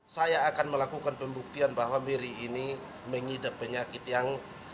saya akan melakukan pembuktian bahwa mary ini mengidap penyakit yang